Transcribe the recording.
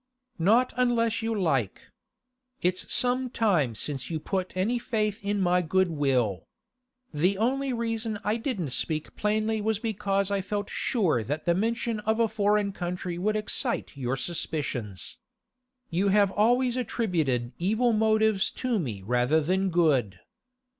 'Not unless you like. It's some time since you put any faith in my goodwill. The only reason I didn't speak plainly was because I felt sure that the mention of a foreign country would excite your suspicions. You have always attributed evil motives to me rather than good.